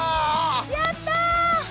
やった！